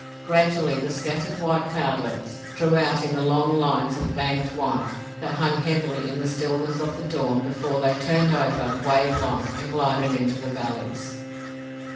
Gradually the scattered white cloudlets drew out into the long lines of banked white that hung heavily in the stillness of the dawn before they turned over wave like and glided into the valleys.